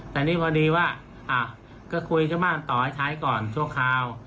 แต่นี่พอดีว่าก็คุยชาวบ้านต่อให้ใช้ก่อนชั่วคราว